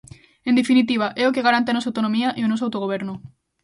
En definitiva, é o que garante a nosa autonomía e o noso autogoberno.